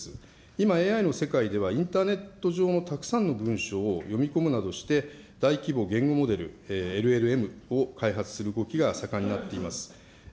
今ＡＩの世界では、インターネット上のたくさんの文書を読み込むなどして、大規模言語モデル、ＬＭＮを開発する動きが盛んになっています。